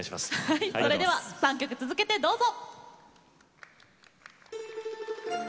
はいそれでは３曲続けてどうぞ。